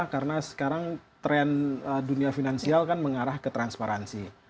karena sekarang tren dunia finansial kan mengarah ke transparansi